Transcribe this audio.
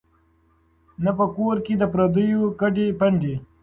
نه په کور کي د پردیو کډي پنډي